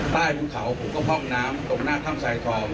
ใต้พุทรเขาผมก็พ่องน้ำตรงหน้าท่ามไซทร้อง